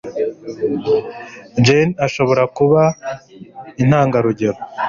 Jane ashobora kuba intangarugero